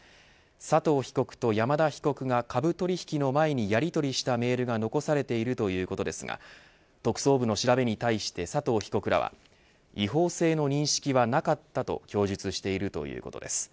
佐藤被告と山田被告が株取引の前にやりとりしたメールが残されているということですが特捜部の調べに対して佐藤被告らは違法性の認識はなかったと供述しているということです。